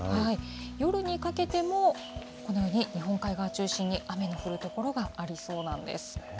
夜にかけても、このように日本海側を中心に、雨の降る所がありそうなんです。